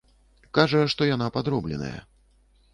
Кажа, што яна падробленая.